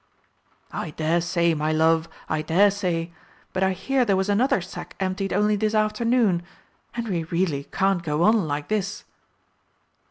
"I daresay, my love, I daresay but I hear there was another sack emptied only this afternoon and we really can't go on like this!"